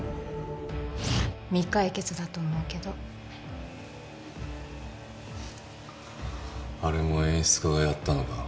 未解決だと思うけどあれも演出家がやったのか？